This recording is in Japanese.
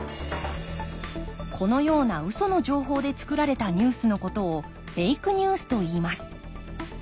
このようなウソの情報でつくられたニュースのことをフェイクニュースといいます。